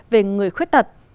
về người khuyết tật